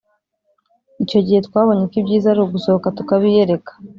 Icyo gihe twabonye ko ibyiza ari ugusohoka tukabiyereka